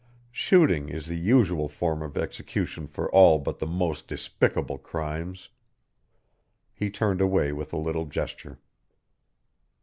Shooting is the usual form of execution for all but the most despicable crimes. He turned away with a little gesture.